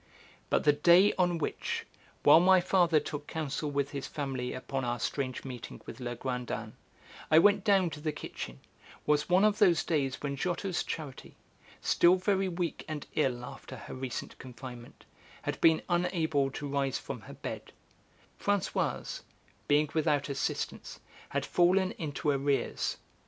But the day on which, while my father took counsel with his family upon our strange meeting with Legrandin, I went down to the kitchen, was one of those days when Giotto's Charity, still very weak and ill after her recent confinement, had been unable to rise from her bed; Françoise, being without assistance, had fallen into arrears.